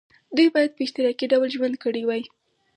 دوی باید په اشتراکي ډول ژوند کړی وای.